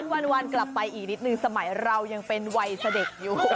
วันกลับไปอีกนิดนึงสมัยเรายังเป็นวัยเสด็จอยู่